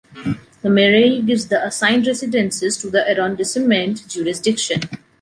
The Mairie gives the assigned residences to the arrondissement jurisdiction.